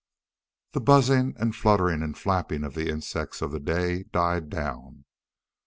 The buzzing and fluttering and flapping of the insects of the day died down.